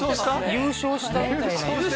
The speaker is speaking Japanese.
優勝したみたいな。